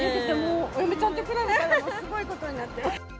お嫁ちゃんと比べたら、すごいことになってる。